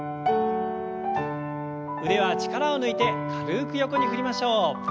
腕は力を抜いて軽く横に振りましょう。